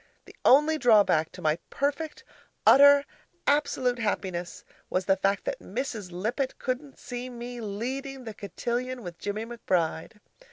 The only drawback to my perfect, utter, absolute happiness was the fact that Mrs. Lippett couldn't see me leading the cotillion with Jimmie McBride.